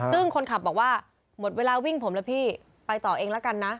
ซึ่งคนขับบอกว่าหมดเวลาวิ่งผมแล้วพี่ไปต่อเองแล้วกันนะ